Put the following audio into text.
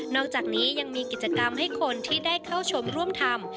อกจากนี้ยังมีกิจกรรมให้คนที่ได้เข้าชมร่วมทำ